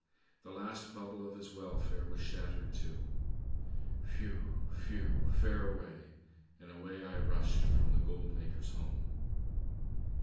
The last bubble of his welfare was shattered too. Whew! whew! fare away! and away I rushed from the goldmaker's home.